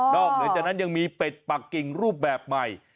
เหนือจากนั้นยังมีเป็ดปักกิ่งรูปแบบใหม่